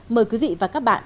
mời quý vị và các bạn